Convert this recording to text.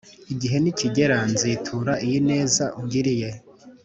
igihe nikigera nzitura iyi neza ungiriye."